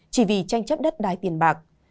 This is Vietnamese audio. chỉ vì tranh chấp đất đái tiền bạc